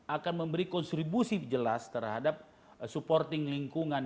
akan memberi kontribusi jelas terhadap supporting lingkungan